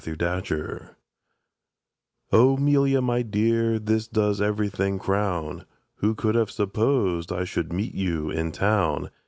THE RUINED MAID "O 'Melia, my dear, this does everything crown! Who could have supposed I should meet you in Town?